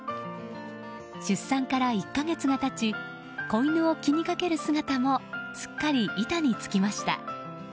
出産から１か月が経ち子犬を気に掛ける姿もすっかり板につきました。